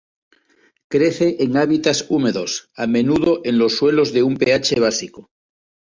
Crece en hábitats húmedos, a menudo en los suelos de un pH básico.